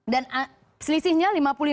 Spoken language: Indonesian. dan selisihnya lima puluh lima empat puluh